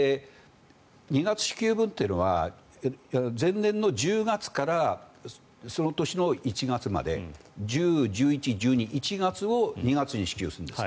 ２月支給分というのは前年の１０月からその年の１月まで１０、１１、１２、１月を２月に支給するんです。